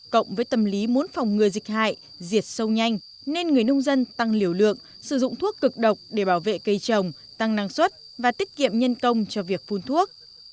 cộng với tâm lý muốn phòng ngừa dịch hại diệt sâu nhanh nên người nông dân tăng liều lượng sử dụng thuốc cực độc để bảo vệ cây trồng tăng năng suất và tiết kiệm nhân công cho việc phun thuốc